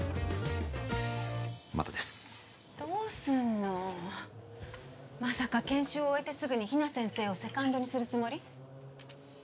まだですどうすんのまさか研修を終えてすぐに比奈先生をセカンドにするつもり？